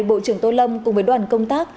bộ trưởng tô lâm cùng với đoàn công tác